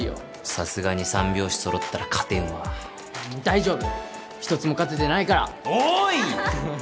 さすがに三拍子揃ったら勝てんわ大丈夫一つも勝ててないからおい！